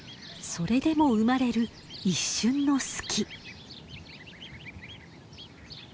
それでも生まれる一瞬の隙。